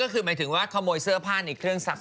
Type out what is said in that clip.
ก็คือหมายถึงว่าขโมยเสื้อผ้าในเครื่องซัก